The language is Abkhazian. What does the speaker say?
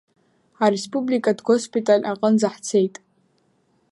Ареспубликатә госпиталь аҟынӡа ҳцеит.